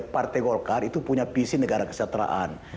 partai golkar itu punya visi negara kesejahteraan